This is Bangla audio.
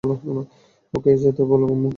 ওকে যেতে বলো, আম্মু।